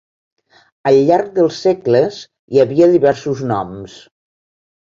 Al llarg dels segles hi havia diversos noms.